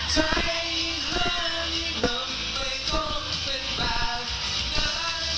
ใจห้ามยิ่งนำไปต้นเป็นแบบนั้น